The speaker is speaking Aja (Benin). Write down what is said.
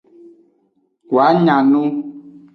Woa nya nu.